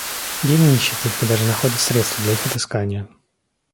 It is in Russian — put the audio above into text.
Гений ищет их и даже находит средства для их отыскания.